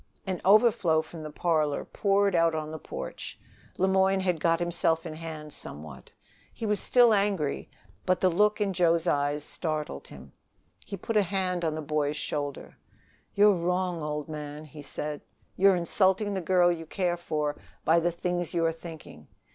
An overflow from the parlor poured out on the porch. Le Moyne had got himself in hand somewhat. He was still angry, but the look in Joe's eyes startled him. He put a hand on the boy's shoulder. "You're wrong, old man," he said. "You're insulting the girl you care for by the things you are thinking.